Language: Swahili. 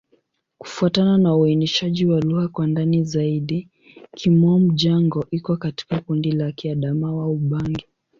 Kufuatana na uainishaji wa lugha kwa ndani zaidi, Kimom-Jango iko katika kundi la Kiadamawa-Ubangi.